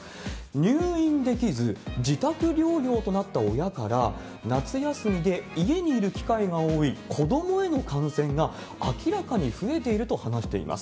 入院できず、自宅療養となった親から、夏休みで家にいる機会が多い子どもへの感染が明らかに増えていると話しています。